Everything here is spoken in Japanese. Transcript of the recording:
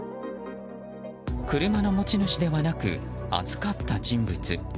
車の持ち主ではなく預かった人物。